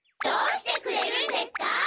どうしてくれるんですか！